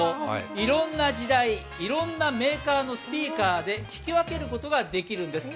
いろんな時代、いろんなメーカーのスピーカーで聴き分けることができるんです。